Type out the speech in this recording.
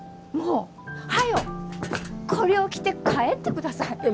もう早うこりょう着て帰ってください。